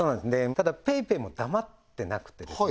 ただＰａｙＰａｙも黙ってなくてですね